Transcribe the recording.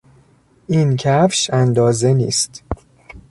این کفش اندازه نیست.